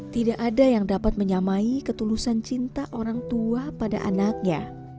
tidak ada yang dapat menyamai ketulusan cinta orang tua pada anaknya